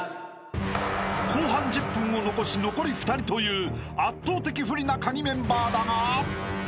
［後半１０分を残し残り２人という圧倒的不利なカギメンバーだが］